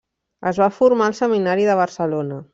Es va formar al seminari de Barcelona.